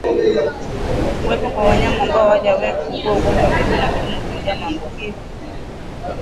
Kuwepo wanyama ambao hawajawahi kuugua ugonjwa wa miguu na midomo huchangia maambukizi